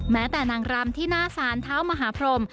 แม้แต่นางรำที่หน้าศาลเท้ามหาพรม